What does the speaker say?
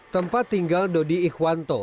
tempat tinggal dodi ikhwanto